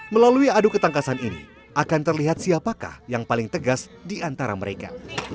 melalui adu ketangkasan ini akan terlihat siapakah yang paling tegas di antara mereka